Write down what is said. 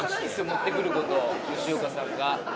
持ってくること吉岡さんが。